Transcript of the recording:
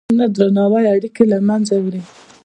نه درناوی اړیکې له منځه وړي.